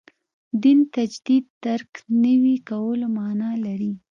دین تجدید درک نوي کولو معنا لري.